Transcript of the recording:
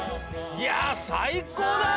いや最高だよ